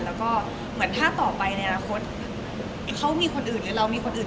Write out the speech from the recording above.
แล้วก็เหมือนถ้าต่อไปในอนาคตเขามีคนอื่นหรือเรามีคนอื่น